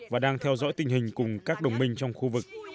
và đang theo dõi tình hình cùng các đồng minh trong khu vực